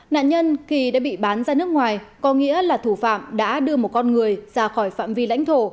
nạn nhân khi đã bị bán ra nước ngoài có nghĩa là thủ phạm đã đưa một con người ra khỏi phạm vi lãnh thổ